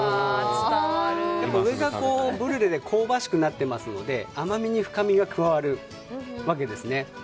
上がブリュレで香ばしくなっていますので甘みに深みが加わるわけですね。